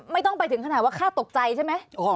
ไม่ต้องไปถึงขนาดว่าฆ่าตกใจใช่ไหม